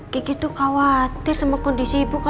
gigi tuh khawatir sama kondisi ibu